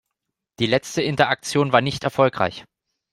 Die letzte Interaktion war nicht erfolgreich.